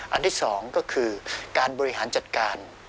อันที่๒ก็คือการบริหารจัดการ